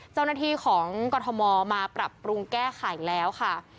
เจ้าหน้าที่ของกรทมมาปรับปรุงแก้ไขแล้วค่ะ